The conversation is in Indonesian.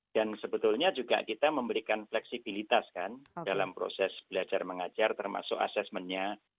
dan sebetulnya juga kita memberikan fleksibilitas kan dalam proses belajar mengajar termasuk asesmennya